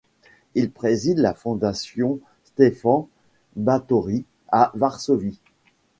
Il préside la Fondation Stefan Batory à Varsovie.